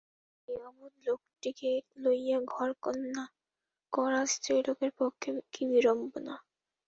এই অবোধ লোকটিকে লইয়া ঘরকন্না করা স্ত্রীলোকের পক্ষে কী বিড়ম্বনা!